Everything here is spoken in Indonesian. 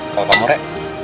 kalau kamu re